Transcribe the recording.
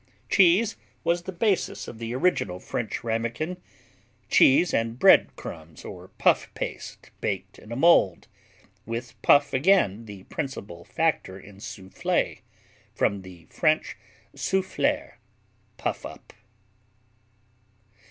Cheese was the basis of the original French Ramequin, cheese and bread crumbs or puff paste, baked in a mold, (with puff again the principal factor in Soufflé, from the French souffler, puff up).